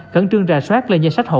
gần trương rà soát lên danh sách hộ